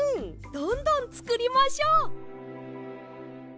どんどんつくりましょう。